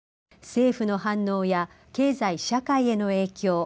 政府の反応や経済社会への影響